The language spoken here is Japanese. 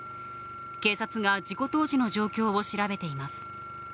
警察が事故当時の状況を調べています。